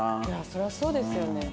そりゃそうですよね。